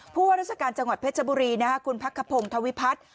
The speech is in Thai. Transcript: ว่าราชการจังหวัดเพชรบุรีคุณพักขพงศ์ธวิพัฒน์